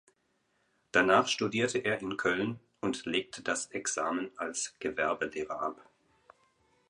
Danach studierte er in Köln und legte das Examen als Gewerbelehrer ab.